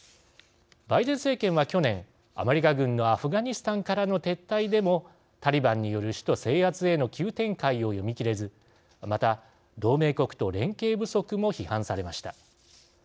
バイデン政権は、去年アメリカ軍のアフガニスタンからの撤退でもタリバンによる首都制圧への急展開を読みきれずまた、同盟国と連携不足も批判されました。